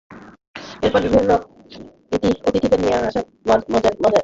এরপর বিভিন্ন অতিথিদের নিয়ে আসা মজার মজার খাবার সবার মাঝে পরিবেশন করা হয়।